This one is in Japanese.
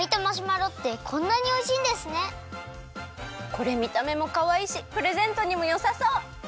これみためもかわいいしプレゼントにもよさそう！